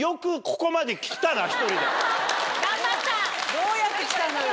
どうやって来たのよ？